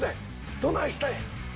どないしたんや。